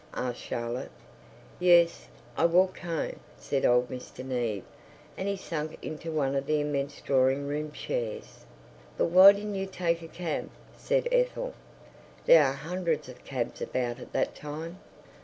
asked Charlotte. "Yes, I walked home," said old Mr. Neave, and he sank into one of the immense drawing room chairs. "But why didn't you take a cab?" said Ethel. "There are hundreds of cabs about at that time."